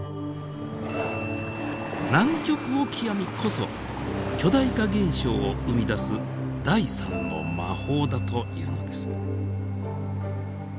ナンキョクオキアミこそ巨大化現象を生み出す第３の魔法だというのです。